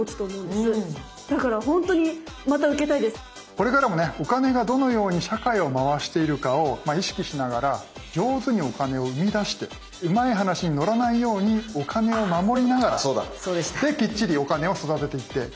これからもねお金がどのように社会を回しているかを意識しながら上手にお金をうみだしてうまい話に乗らないようにお金をまもりながらできっちりいいですか。